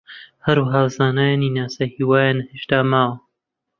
هەروەها زانایانی ناسا هیوایان هێشتا ماوە